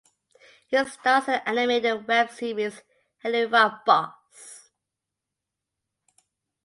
He stars in the animated web series "Helluva Boss".